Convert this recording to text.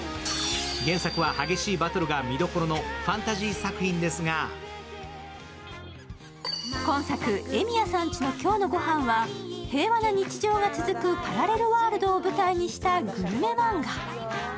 原作は激しいバトルが見どころのファンタジー作品ですが今作、「衛宮さんちの今日のごはん」は平和な日常が続くパラレルワールドを舞台にしたグルメマンガ。